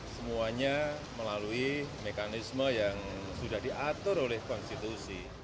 semuanya melalui mekanisme yang sudah diatur oleh konstitusi